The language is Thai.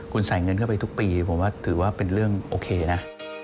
คุณใส่เงินเข้าไปทุกปีผมว่าถือว่าเป็นเรื่องโอเคนะ